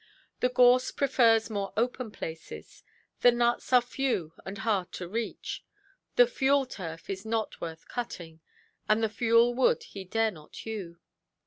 The gorse prefers more open places, the nuts are few and hard to reach, the fuel–turf is not worth cutting, and the fuel–wood he dare not hew.